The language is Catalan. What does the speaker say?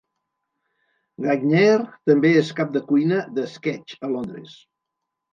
Gagnaire també és cap de cuina de Sketch, a Londres.